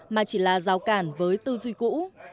mà chỉ là rào cản với tư duy cũ